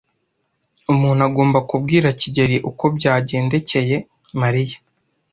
Umuntu agomba kubwira kigeli uko byagendekeye Mariya.